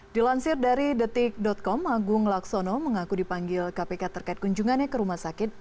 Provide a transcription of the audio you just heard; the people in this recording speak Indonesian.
dilansir dari detik com agung laksono mengaku dipanggil kpk terkait kunjungannya ke rumah sakit